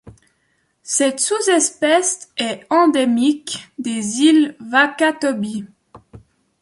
Cette sous-espèce est endémique des îles Wakatobi.